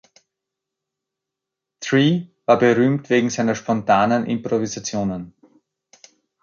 Tree war berühmt wegen seiner spontanen Improvisationen.